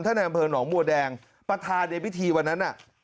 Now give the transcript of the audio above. ท่านแรมเผินหนองบัวแดงประธาเดบิทีวันนั้นอ่ะ